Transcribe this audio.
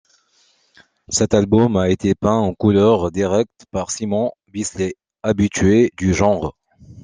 Cet album a été peint en couleur directe par Simon Bisley, habitué du genre.